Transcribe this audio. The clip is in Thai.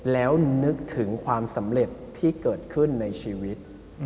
แล้วนึกถึงความสำเร็จที่เกิดขึ้นในชีวิต